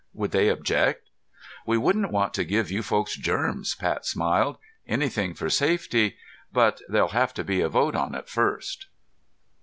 Would they object?" "We wouldn't want to give you folks germs," Pat smiled. "Anything for safety. But there'll have to be a vote on it first."